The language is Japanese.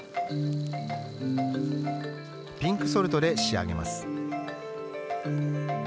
ピンクソルトで仕上げます。